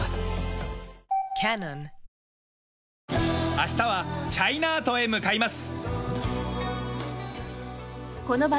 明日はチャイナートへ向かいます。